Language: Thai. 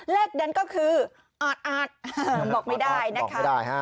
เลขนั้นก็คืออาจอาจบอกไม่ได้นะคะบอกไม่ได้ฮะ